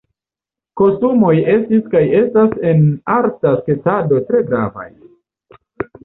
Kostumoj estis kaj estas en arta sketado tre gravaj.